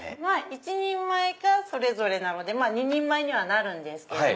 １人前がそれぞれなので２人前にはなるんですけども。